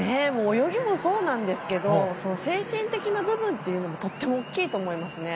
泳ぎもそうなんですが精神的な部分というのはとても大きいと思いますね。